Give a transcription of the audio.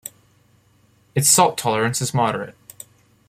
Its salt tolerance is moderate.